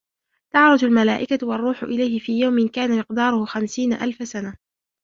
تعرج الملائكة والروح إليه في يوم كان مقداره خمسين ألف سنة